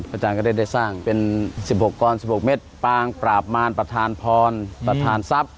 อาจารย์ก็ได้สร้างเป็น๑๖กร๑๖เม็ดปางปราบมารประธานพรประธานทรัพย์